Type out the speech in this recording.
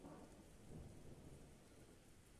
Tiene un gato que se llama Mr.